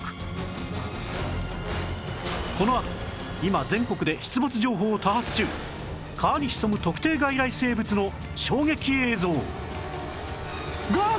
このあと今全国で出没情報多発中川に潜む特定外来生物の衝撃映像ガー！